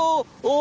お！